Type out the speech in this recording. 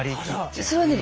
それはね